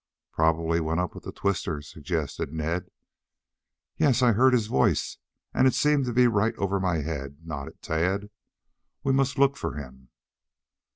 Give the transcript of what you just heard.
"Probably went up with the twister," suggested Ned. "Yes, I heard his voice and it seemed to be right over my head," nodded Tad. "We must look for him."